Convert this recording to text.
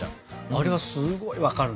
あれはすごい分かるな。